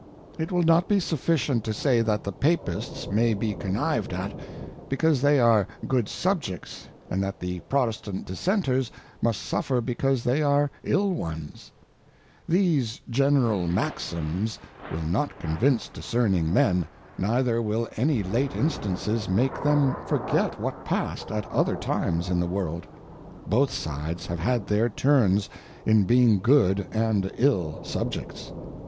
It will not be sufficient to say that the Papists may be conniv'd at, because they are good Subjects and that the Protestant Dissenters must suffer because they are iU ones ; these general Maxims will not convince discerning Men, neither will any late Instances make tEem forget what passed at other times in the World ; both sides have had their Turns in being good and ill Subjects.